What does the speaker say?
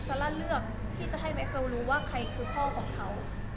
ซาร่าเลือกที่จะให้แม็กโซรู้ว่าใครคือพ่อของเขา